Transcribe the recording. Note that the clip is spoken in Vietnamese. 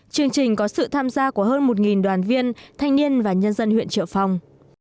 chương trình có sự tham gia của hơn một đoàn viên thanh niên và nhân dân huyện triệu phong